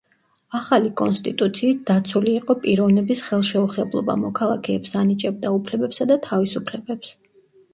ახალი კონსტიტუციით დაცული იყო პიროვნების ხელშეუხებლობა, მოქალაქეებს ანიჭებდა უფლებებსა და თავისუფლებებს.